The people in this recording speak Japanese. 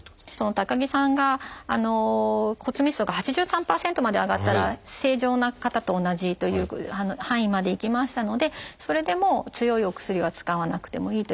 高木さんが骨密度が８３％まで上がったら正常な方と同じという範囲までいきましたのでそれでもう強いお薬は使わなくてもいいという